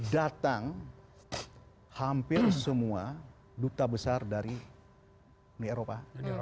datang hampir semua duta besar dari uni eropa